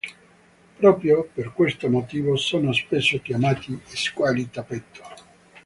Proprio per questo motivo sono spesso chiamati "squali tappeto".